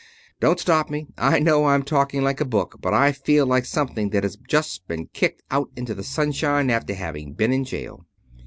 Don't stop me. I know I'm talking like a book. But I feel like something that has just been kicked out into the sunshine after having been in jail."